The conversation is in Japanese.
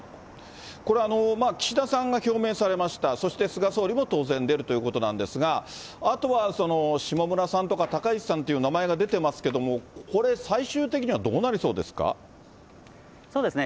これ、岸田さんが表明されました、そして菅総理も当然出るということなんですが、あとは下村さんとか高市さんという名前が出てますけれども、これ、最終的にはどうなりそうですか？